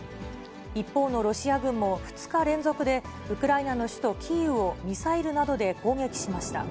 一方のロシア軍も、２日連続でウクライナの首都キーウをミサイルなどで攻撃しました。